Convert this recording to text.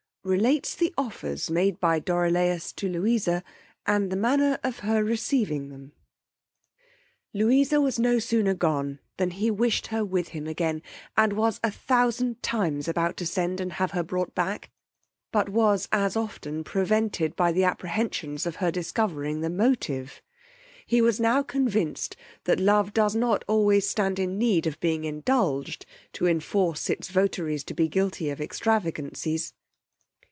Relates the offers made by Dorilaus to Louisa, and the manner of her receiving them. Louisa was no sooner gone, than he wished her with him again, and was a thousand times about to send and have her brought back; but was as often prevented by the apprehensions of her discovering the motive. He was now convinced that love does not always stand in need of being indulged to enforce its votaries to be guilty of extravagancies.